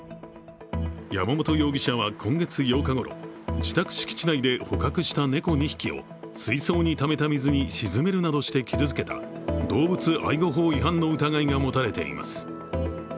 山本容疑者は今月８日ごろ、自宅敷地内で捕獲した猫２匹を水槽にためた水に沈めるなどして傷つけた動物愛護法違反の疑いが持たれています。